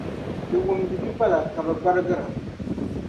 di wumdi bipala ka bɛ gbarigira.